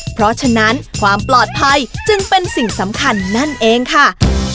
เพราะฉะนั้นความปลอดภัยจึงเป็นสิ่งสำคัญนั่นเองค่ะ